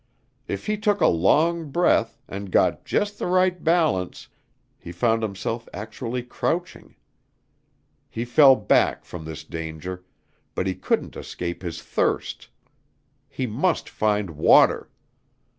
If he took a long breath, and got just the right balance he found himself actually crouching. He fell back from this danger, but he couldn't escape his thirst. He must find water.